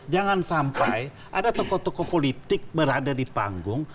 jangan sampai ada tokoh tokoh politik berada di panggung